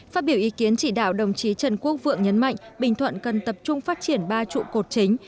phát biểu ý kiến chỉ đạo đồng chí trần quốc vượng nhấn mạnh bình thuận cần tập trung phát triển ba trụ cột chính